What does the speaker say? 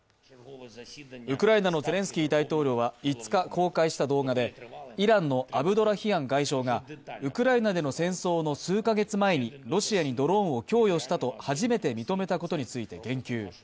ウクライナのゼレンスキー大統領は５日公開した動画で、イランのアブドラヒアン外相がウクライナでの戦争の数か月前にロシアにドローンを供与したと初めて認めたことについて言及。